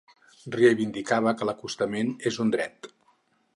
Reivindicava que l'acostament és un dret.